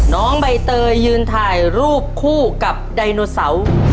น้องใบเตยยืนถ่ายรูปคู่กับไดโนเสาร์